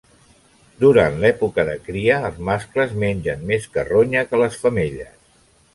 Durant l'època de cria, els mascles mengen més carronya que les femelles.